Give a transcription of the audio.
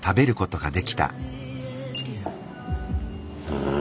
うん。